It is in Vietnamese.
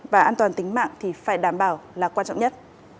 và an toàn tính mạng thì phải đảm bảo là quan trọng nhất